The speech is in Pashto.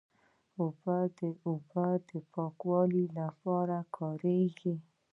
اوبه د پاکوالي لپاره کارېږي.